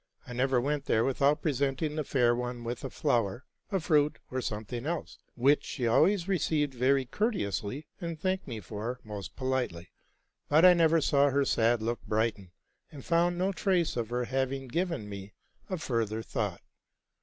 I never went there without presenting the fair one with a floweg, a fruit, or something else ; which she always received very courteously, and thanked me for most politely : but I never saw her sad look brighten, and found no trace of her having given me a further thought.